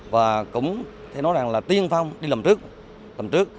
và cũng thế nói rằng là tiên phong đi lầm trước lầm trước